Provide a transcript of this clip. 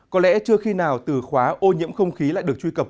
có lẽ chưa khi nào từ khóa ô nhiễm không khí lại được truy cập